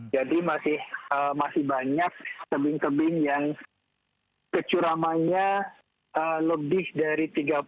jadi masih banyak kebing kebing yang kecuramanya lebih dari tiga puluh